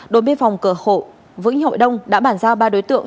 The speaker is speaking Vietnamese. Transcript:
đội biên phòng cửa khẩu vĩnh hội đông đã bản giao ba đối tượng